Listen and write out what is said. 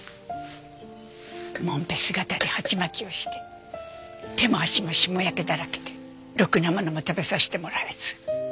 モンペ姿で鉢巻きをして手も足もしもやけだらけでろくなものも食べさせてもらえず